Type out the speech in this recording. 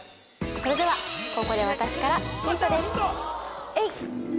それではここで私からヒントですえい！